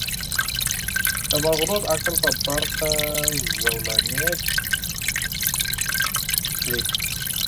د مغرور عقل په برخه زولنې کړي.